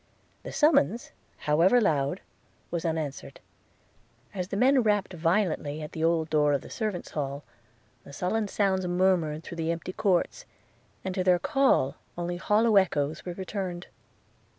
The summons, however loud, was unanswered. As the men rapped violently at the old door of the servants' hall, the sullen sounds murmured through the empty courts, and to their call only hollow echoes were returned.